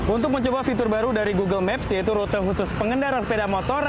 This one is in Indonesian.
untuk mencoba fitur baru dari google maps yaitu rute khusus pengendara sepeda motor